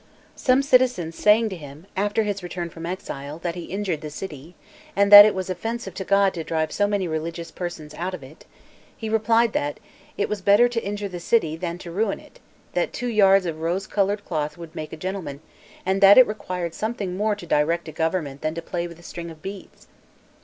Some citizens saying to him, after his return from exile, that he injured the city, and that it was offensive to God to drive so many religious persons out of it; he replied that, "it was better to injure the city, than to ruin it; that two yards of rose colored cloth would make a gentleman, and that it required something more to direct a government than to play with a string of beads."